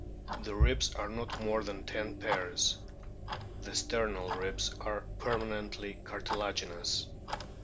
The ribs are not more than ten pairs ; the sternal ribs are permanently cartilaginous.